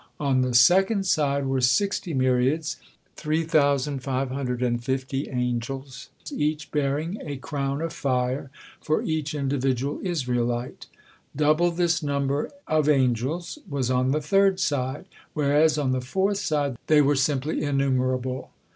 On the second side were sixty myriads, three thousand five hundred and fifty angels, each bearing a crown of fire for each individual Israelite. Double this number of angels was on the third side, whereas on the fourth side they were simply innumerable.